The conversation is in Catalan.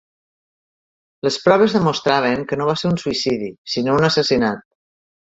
Les proves demostraven que no va ser un suïcidi sinó un assassinat.